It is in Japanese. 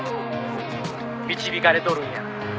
「導かれとるんや」